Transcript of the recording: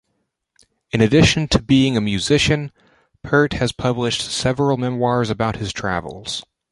In addition to being a musician, Peart has published several memoirs about his travels.